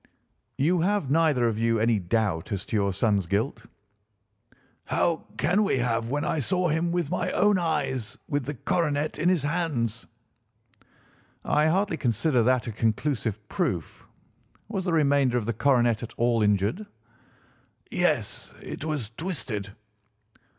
"You have neither of you any doubt as to your son's guilt?" "How can we have when I saw him with my own eyes with the coronet in his hands." "I hardly consider that a conclusive proof. Was the remainder of the coronet at all injured?" "Yes, it was twisted."